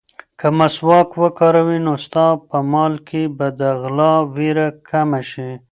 که مسواک وکاروې، نو ستا په مال کې به د غلا وېره کمه شي.